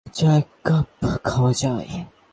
চা এক কাপ খাওয়া যায়।